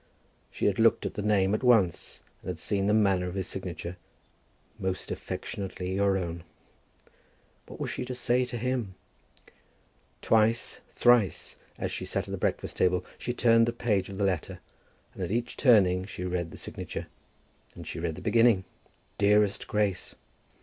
She had looked at the name at once, and had seen the manner of his signature. "Most affectionately your own!" What was she to say to him? Twice, thrice, as she sat at the breakfast table she turned the page of the letter, and at each turning she read the signature. And she read the beginning, "Dearest Grace."